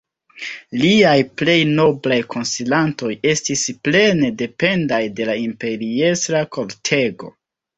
Liaj plej noblaj konsilantoj estis plene dependaj de la imperiestra kortego.